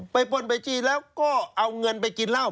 ป้นไปจี้แล้วก็เอาเงินไปกินเหล้า